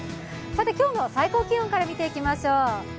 今日の最高気温から見ていきましょう。